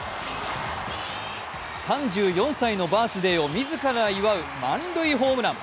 ３４歳のバースデーを自ら祝う満塁ホームラン。